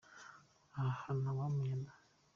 Aha! ntawamenya da!